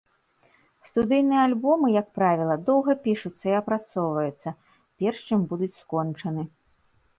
Студыйныя альбомы, як правіла, доўга пішуцца і апрацоўваюцца, перш чым будуць скончаны.